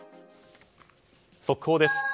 速報です。